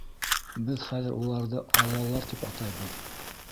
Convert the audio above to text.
Беҙ хәҙер уларҙы аллалар тип атайбыҙ.